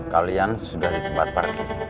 kalian sudah ditempat parkir